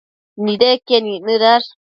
nidequien icnëdash